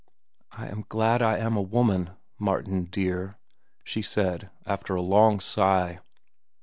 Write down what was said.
"I am glad I am a woman, Martin—dear," she said, after a long sigh.